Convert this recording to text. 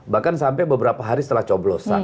bahkan sampai beberapa hari setelah coblosan